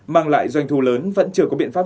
mang lại doanh thu lớn vẫn chưa có biện pháp